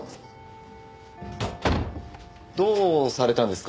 どうされたんですか？